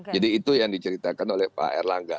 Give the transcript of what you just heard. jadi itu yang diceritakan oleh pak erlangga